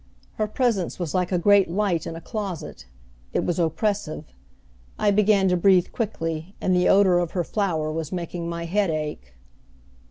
Her presence was like a great light in a closet. It was oppressive. I began to breathe quickly, and the odor of her flower was making my head ache.